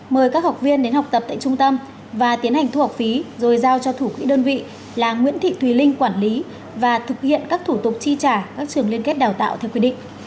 mời các học viên đến học tập tại trung tâm và tiến hành thu học phí rồi giao cho thủ quỹ đơn vị là nguyễn thị thùy linh quản lý và thực hiện các thủ tục chi trả các trường liên kết đào tạo theo quy định